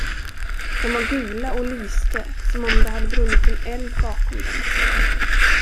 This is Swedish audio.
De var gula och lyste, som om det hade brunnit en eld bakom dem.